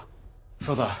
そうだ。